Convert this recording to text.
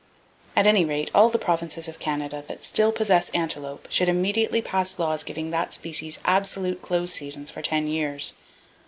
At any rate, all the provinces of Canada that still possess antelope should immediately pass laws giving that species absolute close seasons for ten years.